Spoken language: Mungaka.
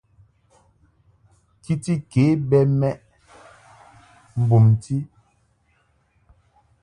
Kiti ke bɛ mɛʼ mbumti.